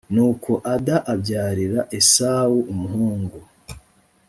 nuko ada abyarira esawu umuhungu